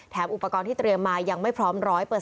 อุปกรณ์ที่เตรียมมายังไม่พร้อม๑๐๐